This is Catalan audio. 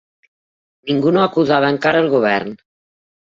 Ningú no acusava encara el Govern